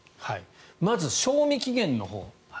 まず賞味期限のほう。